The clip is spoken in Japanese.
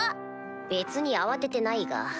別に慌ててないが。